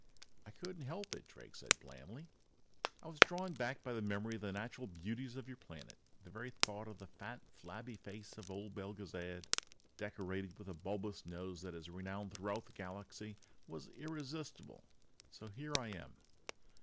"I couldn't help it," Drake said blandly. "I was drawn back by the memory of the natural beauties of your planet. The very thought of the fat, flabby face of old Belgezad, decorated with a bulbous nose that is renowned throughout the Galaxy, was irresistible. So here I am."